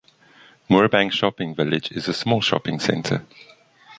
Moorebank Shopping Village is a small shopping centre.